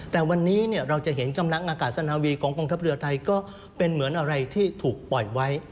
แต่วันนี้เราจะเห็นกำลังอากาศสนาวีของกองทัพเรือไทยก็เป็นเหมือนอะไรที่ถูกปล่อยไว้